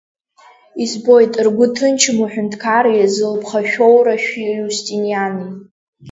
Избоит ргәы ҭынчым уҳәынҭқари зылԥха шәоура шә-Иустиниани.